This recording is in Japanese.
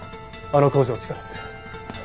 あの工場地下です。